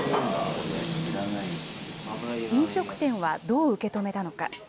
飲食店はどう受け止めたのか。